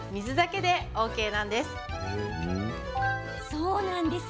そうなんです。